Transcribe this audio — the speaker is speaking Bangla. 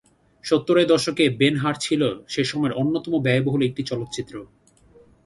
সত্তরের দশকে "বেন-হার" ছিলো সেসময়ের অন্যতম ব্যয়বহুল একটি চলচ্চিত্র।